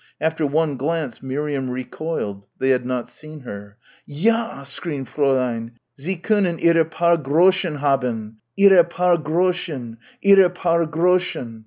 After one glance Miriam recoiled. They had not seen her. "Ja," screamed Fräulein "Sie können ihre paar Groschen haben! Ihre paar Groschen! Ihre paar Groschen!"